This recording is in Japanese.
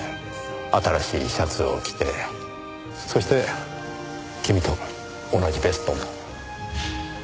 新しいシャツを着てそして君と同じベストも。